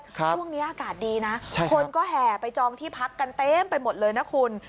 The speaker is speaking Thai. ช่วงนี้อากาศดีนะคนก็แห่ไปจองที่พักกันเต็มไปหมดเลยนะคุณ